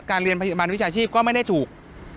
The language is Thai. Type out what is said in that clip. เรียนพยาบาลวิชาชีพก็ไม่ได้ถูก